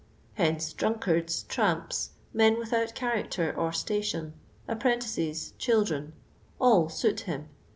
Hence drunkard!«, tramps, men without char.icter or sta tion, apprentices, children — all suit him.